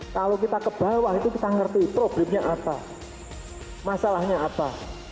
kalau kita ke bawah itu kita ngerti problemnya apa masalahnya apa